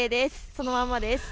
そのままです。